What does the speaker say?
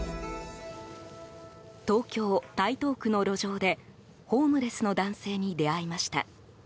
東京・台東区の路上でホームレスの男性に出会いました。